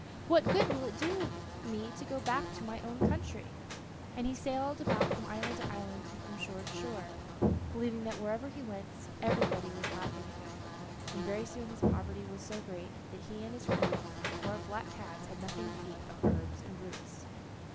What good will it do me to go back to my own country?" And he sailed about from island to island, and from shore to shore, believing that wherever he went everybody was laughing at him, and very soon his poverty was so great that he and his crew and the poor black cats had nothing to eat but herbs and roots.